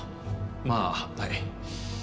まあはい。